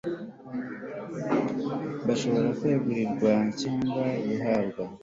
bushobora kwegurirwa cyangwa guhabwa